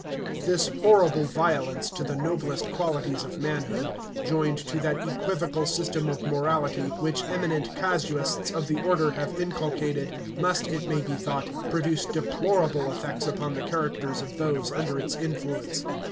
This horrible violence to the noblest qualities of manhood, joined to that equivocal system of morality which eminent casuists of the Order have inculcated, must, it may be thought, produce deplorable effects upon the characters of those under its influence.